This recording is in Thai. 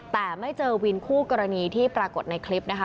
แต่ไม่เจอวินคู่กรณีที่ปรากฏในคลิปนะคะ